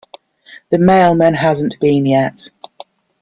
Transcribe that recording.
The mailman hasn’t been yet.